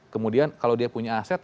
kemudian kalau dia punya aset